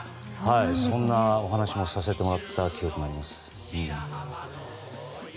そんなお話をさせてもらった記憶もあります。